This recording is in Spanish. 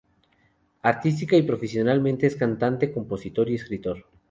Artística y profesionalmente es cantante, compositor y escritor.